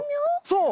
そう！